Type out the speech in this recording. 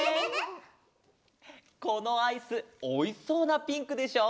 このアイスおいしそうなピンクでしょ？